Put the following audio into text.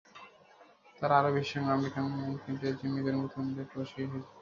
তারা আরও বেশি সংখ্যক আমেরিকানদের জিম্মি করে মুক্তিপণ আদায়ে প্রয়াসী হবে।